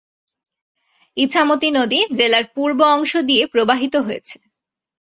ইছামতি নদী জেলার পূর্ব অংশ দিয়ে প্রবাহিত হয়েছে।